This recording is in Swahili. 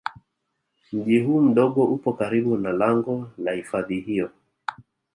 Mji huu mdogo upo karibu na lango la hifadhi hiyo